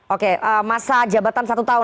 oke masa jabatan satu tahun